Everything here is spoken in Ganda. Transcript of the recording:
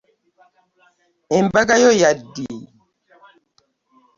Embaga yo ya ddi?